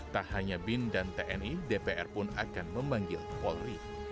tak hanya bin dan tni dpr pun akan memanggil polri